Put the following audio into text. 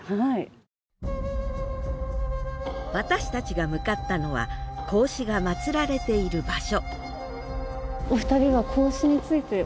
私たちが向かったのは孔子が祀られている場所